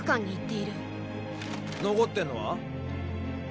残ってんのは？